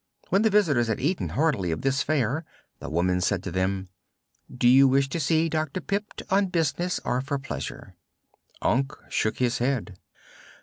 When the visitors had eaten heartily of this fare the woman said to them: "Do you wish to see Dr. Pipt on business or for pleasure?" Unc shook his head.